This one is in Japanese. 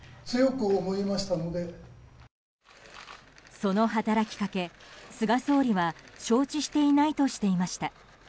その働きかけ、菅総理は承知していないとしていました。